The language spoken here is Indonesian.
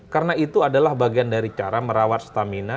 karena itu adalah bagian dari cara merawat stamina